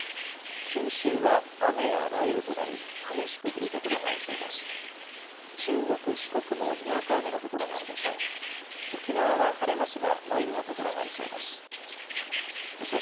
九州は雨や雷雨となり激しく降る所がありそうです。